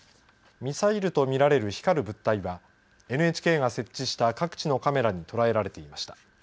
ミサイルと見られる光る物体はＮＨＫが設置した各地のカメラに捉えられていました。